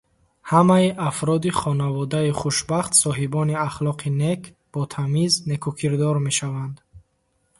Ҳамаи афроди хонаводаи хушбахт соҳибони ахлоқи нек, ботамиз, некукирдор мешаванд.